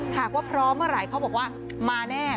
หากว่าพร้อมเมื่อไหร่เขาบอกว่ามาแน่